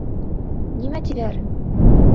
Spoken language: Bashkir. Нимә тиҙәр?